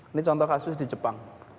ini contoh kasus di jepang